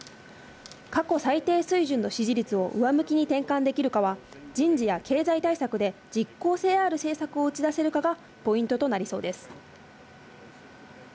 過去最低水準の支持率を上向きに転換できるかは、人事や経済対策で実効性ある政策を打ち出せるかがポイントとなりそうです。